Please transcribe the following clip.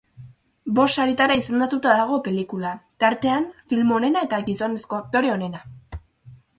Bost saritara izendatuta dago pelikula, tartean film onena eta gizonezko aktore onena.